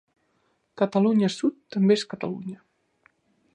Catalunya sud també és Catalunya